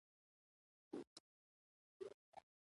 که ماشه د ده د وطن خوا شوه څه به کېږي.